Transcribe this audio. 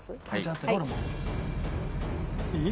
いい？